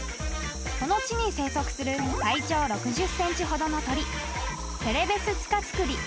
［この地に生息する体長６０ｃｍほどの鳥］